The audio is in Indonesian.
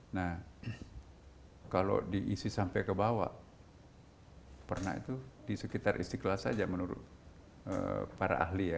nah kalau diisi sampai ke bawah pernah itu di sekitar istiqlal saja menurut para ahli ya